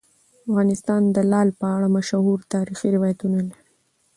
افغانستان د لعل په اړه مشهور تاریخی روایتونه لري.